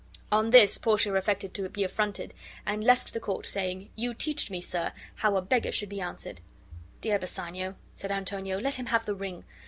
On this Portia affected to be affronted, and left the court, saying, "You teach me, sir, how a beggar should be answered." "Dear Bassanio," said Antonio, "let him have the ring.